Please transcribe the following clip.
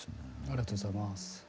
ありがとうございます。